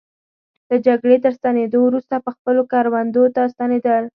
له جګړې تر ستنېدو وروسته به خپلو کروندو ته ستنېدل.